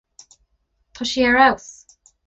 Tá sí ar fheabhas.